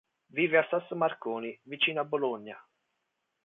Vive a Sasso Marconi, vicino a Bologna.